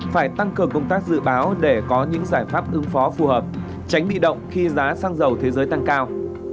phải tăng cường công tác dự báo để có những giải pháp ứng phó phù hợp tránh bị động khi giá xăng dầu thế giới tăng cao